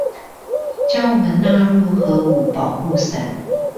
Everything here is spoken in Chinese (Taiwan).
將我們納入核武保護傘